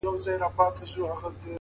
عاجزي د درنو شخصیتونو عادت وي’